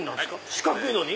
四角いのに？